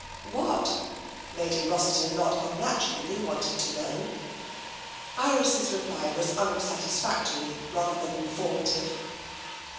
" What ?" Lady Rossiter not unnaturally wanted to know. Iris' reply was unsatisfactory rather than infor mative.